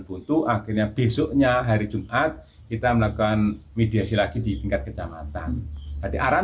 butuh akhirnya besoknya hari jumat kita melakukan mediasi lagi di tingkat kecamatan tadi arahan